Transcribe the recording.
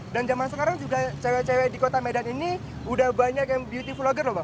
zaman sekarang juga cewek cewek di kota medan ini udah banyak yang beauty vlogger loh bang